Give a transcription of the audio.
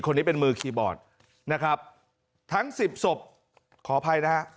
คนนี้เป็นมือคีย์บอร์ดนะครับทั้งสิบศพขออภัยนะฮะ